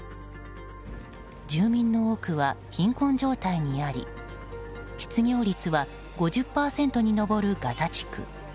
住民の多くは貧困状態にあり失業率は５０％に上るガザ地区。